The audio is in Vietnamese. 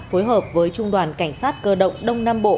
phối hợp với trung đoàn cảnh sát cơ động đông nam bộ